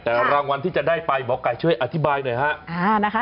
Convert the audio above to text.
แต่รางวัลที่จะได้ไปหมอไก่ช่วยอธิบายหน่อยฮะ